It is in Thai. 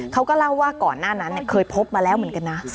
เขาก็เล่าว่าก่อนหน้านั้นเคยพบมาแล้วเหมือนกันนะ